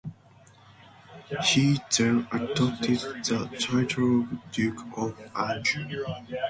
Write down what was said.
He then adopted the title of Duke of Anjou.